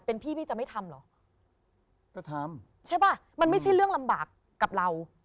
เป็นพี่พี่จะไม่ทำเหรอจะทำใช่ป่ะมันไม่ใช่เรื่องลำบากกับเรา